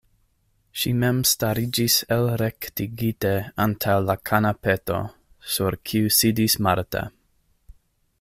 Ŝi mem stariĝis elrektigite antaŭ la kanapeto, sur kiu sidis Marta.